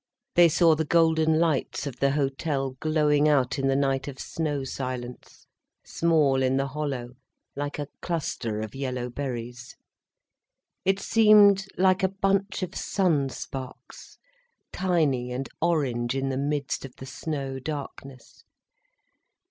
They saw the golden lights of the hotel glowing out in the night of snow silence, small in the hollow, like a cluster of yellow berries. It seemed like a bunch of sun sparks, tiny and orange in the midst of the snow darkness.